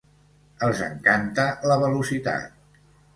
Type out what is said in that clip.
Els encanta la velocitat.